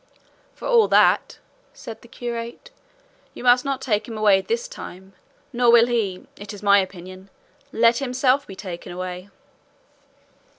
"For all that," said the curate, "you must not take him away this time, nor will he, it is my opinion, let himself be taken away."